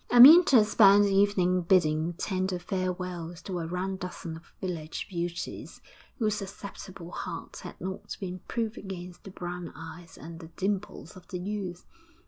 V Amyntas spent the evening bidding tender farewells to a round dozen of village beauties, whose susceptible hearts had not been proof against the brown eyes and the dimples of the youth.